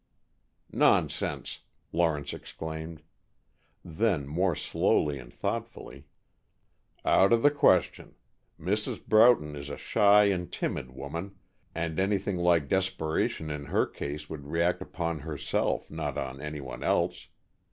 "Nonsense!" Lawrence exclaimed. Then, more slowly and thoughtfully, "Out of the question. Mrs. Broughton is a shy and timid woman, and anything like desperation in her case would react upon herself, not on anyone else.